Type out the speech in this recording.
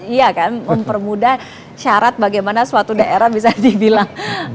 iya kan mempermudah syarat bagaimana suatu daerah bisa dibilang